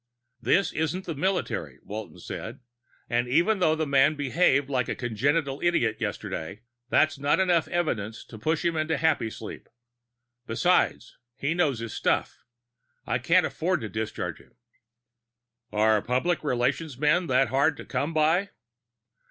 "This isn't the military," Walton said. "And even though the man behaved like a congenital idiot yesterday, that's not enough evidence to push him into Happysleep. Besides, he knows his stuff. I can't afford to discharge him." "Are public relations men that hard to come by?"